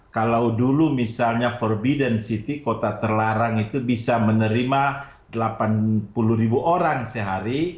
kalau dulu misalnya forbidden city kota terlarang itu bisa menerima delapan puluh ribu orang sehari